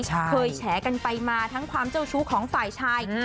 แฉกันไปมาทั้งความเจ้าชู้ของฝ่ายชาย